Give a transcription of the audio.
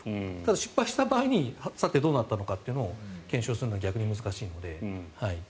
失敗した場合にさてどうなったかというのを検証するのは逆に難しいので。